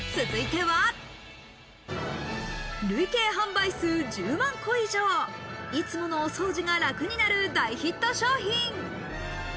続いては、累計販売数１０万個以上、いつものお掃除が楽になる大ヒット商品。